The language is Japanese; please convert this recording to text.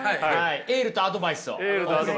エールとアドバイスを。